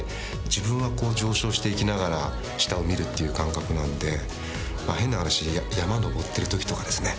自分は上昇していきながら下を見るっていう感覚なんで変な話山を登ってる時とかですね